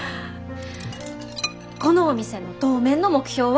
このお店の当面の目標は。